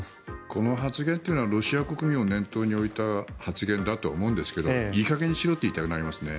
この発言というのはロシア国民を念頭に置いた発言だと思うんですけどいい加減にしろと言いたくなりますね。